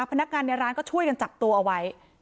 พนักงานในร้านก็ช่วยกันจับตัวเอาไว้